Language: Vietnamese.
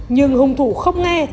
nhưng hung thủ không nghe